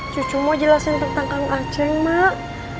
cucu mau jelasin tentang kang aceh mak